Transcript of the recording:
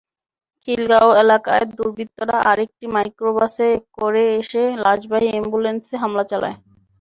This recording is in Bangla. খিলগাঁও এলাকায় দুর্বৃত্তরা আরেকটি মাইক্রোবাসে করে এসে লাশবাহী অ্যাম্বুলেন্সে হামলা চালায়।